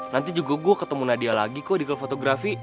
nanti juga gue ketemu nadia lagi kok di klub fotografi